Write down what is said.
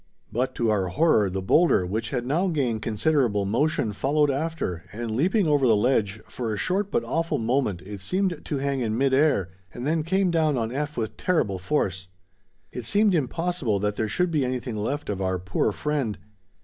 But to our horror the boulder, which had now gained considerable motion, followed after, and leaping over the ledge, for a short but awful moment it seemed to hang in mid air, and then came down on F. with terrible force. It seemed impossible that there should be anything left of our poor friend.